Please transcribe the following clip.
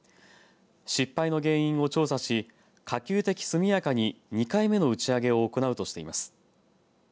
失敗の原因を調査し可及的速やかに２回目の打ち上げを行うとしています。